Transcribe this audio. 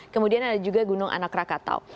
kemudian ada juga gunung anak rakatau